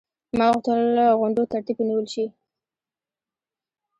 ما غوښتل غونډو ترتیب ونیول شي.